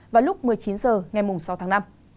vào lúc một mươi chín h ngày sáu tháng năm